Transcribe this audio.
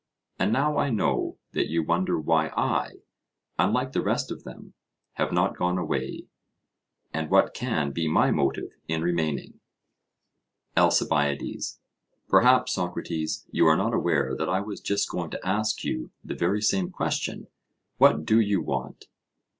And now I know that you wonder why I, unlike the rest of them, have not gone away, and what can be my motive in remaining. ALCIBIADES: Perhaps, Socrates, you are not aware that I was just going to ask you the very same question What do you want?